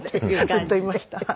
ずっといました。